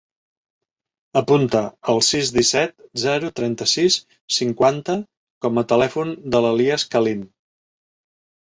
Apunta el sis, disset, zero, trenta-sis, cinquanta com a telèfon de l'Elías Calin.